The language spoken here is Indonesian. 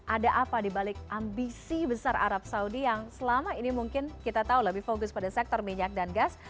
ada apa dibalik ambisi besar arab saudi yang selama ini mungkin kita tahu lebih fokus pada sektor minyak dan gas